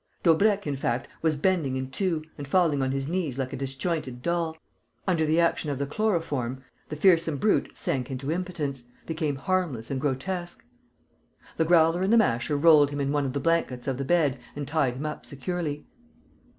Daubrecq, in fact, was bending in two and falling on his knees like a disjointed doll. Under the action of the chloroform, the fearsome brute sank into impotence, became harmless and grotesque. The Growler and the Masher rolled him in one of the blankets of the bed and tied him up securely.